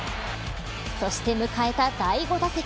そして迎えた第５打席。